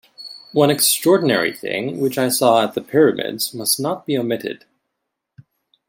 One extraordinary thing which I saw at the pyramids must not be omitted.